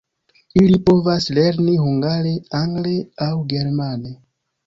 Ili povas lerni hungare, angle aŭ germane.